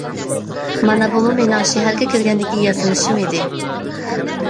مانا بۇمۇ مېنىڭ شەھەرگە كىرگەندىكى ياسىنىشىم ئىدى.